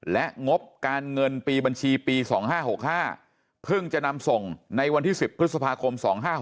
และงบการเงินปีบัญชีปี๒๕๖๕เพิ่งจะนำส่งในวันที่๑๐พฤษภาคม๒๕๖๖